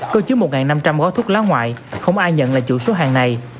có chứa một năm trăm linh gói thuốc lá ngoại không ai nhận là chủ số hàng này